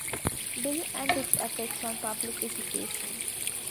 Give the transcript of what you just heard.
Bill and its effects on public education.